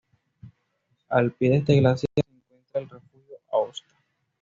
Al pie de este glaciar se encuentra el refugio Aosta.